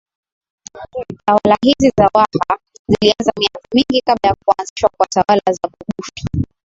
Tawala hizi za waha zilianza miaka mingi kabla ya kuanzishwa kwa tawala za bugufi